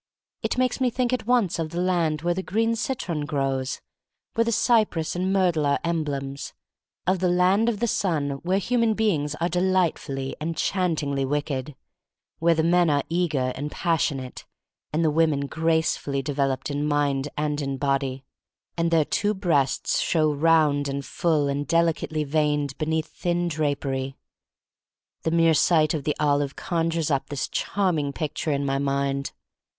It makes me think at once of the land where the green citron grows — where the cypress and myrtle are emblems; of the land of the Sun where human beings are delightfully, enchantingly. wicked, — where the men are eager and passionate, and the women gracefully developed in mind and in body — and their two breasts show round and fuU n 82 THE STORY OF MARY MAC LANE and delicately veined beneath thin drapery. The mere sight of the olive conjures up this charming picture in my mind.